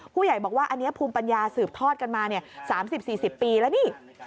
ผู้ใหญ่บอกว่าอันนี้ภูมิปัญญาสืบทอดกันมา๓๐๔๐ปีแล้วนี่